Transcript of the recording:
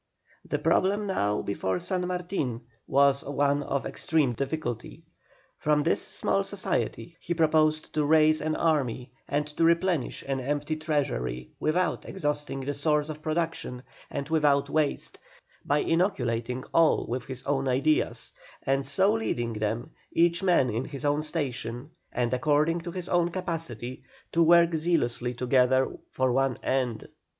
The problem now before San Martin was one of extreme difficulty. From this small society he proposed to raise an army and to replenish an empty treasury without exhausting the sources of production and without waste, by inoculating all with his own ideas, and so leading them, each man in his own station, and according to his capacity, to work zealously together for one end.